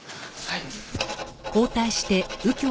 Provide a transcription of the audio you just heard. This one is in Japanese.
はい。